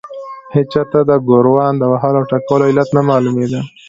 هېچا ته د ګوروان د وهلو او ټکولو علت نه معلومېده.